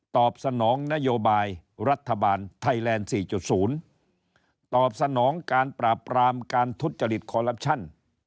ตอบสนองนโยบายรัฐบาลไทยแลนด์๔๐ตอบสนองการปราบปรามการทุจริตคอลลับชั่น